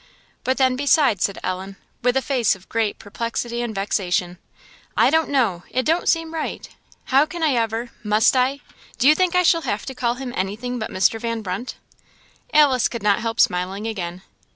"But then, besides," said Ellen, with a face of great perplexity and vexation "I don't know it don't seem right! How can I ever must I do you think I shall have to call him anything but Mr. Van Brunt?" Alice could not help smiling again.